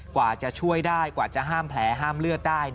กว่าจะช่วยได้กว่าจะห้ามแผลห้ามเลือดได้